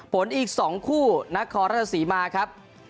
อีก๒คู่นครราชศรีมาครับ